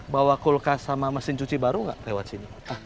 bawa kulkas sama mesin cuci baru nggak lewat sini